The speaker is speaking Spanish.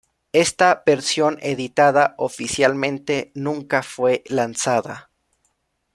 Esta versión editada oficialmente nunca fue lanzada.